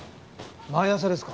毎朝ですか？